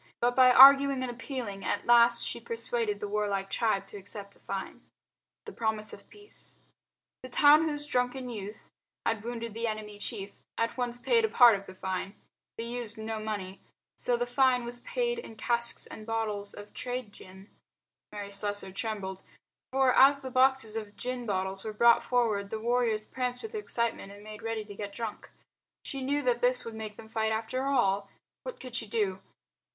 But by arguing and appealing at last she persuaded the warlike tribe to accept a fine. The Promise of Peace The town whose drunken youth had wounded the enemy chief at once paid a part of the fine. They used no money. So the fine was paid in casks and bottles of trade gin. Mary Slessor trembled. For as the boxes of gin bottles were brought forward the warriors pranced with excitement and made ready to get drunk. She knew that this would make them fight after all. What could she do?